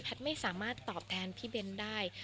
พี่เบนได้